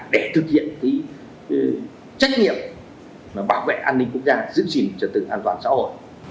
để thực hiện trách nhiệm bảo vệ an ninh quốc gia giữ gìn trật tự an toàn xã hội